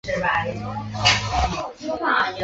忽然一个想法浮现在脑中